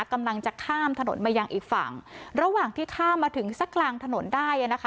กำลังจะข้ามถนนมายังอีกฝั่งระหว่างที่ข้ามมาถึงสักกลางถนนได้อ่ะนะคะ